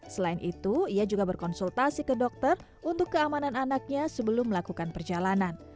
selain itu ia juga berkonsultasi ke dokter untuk keamanan anaknya sebelum melakukan perjalanan